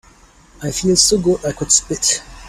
I feel so good I could spit.